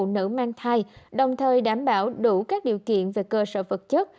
phụ nữ mang thai đồng thời đảm bảo đủ các điều kiện về cơ sở vật chất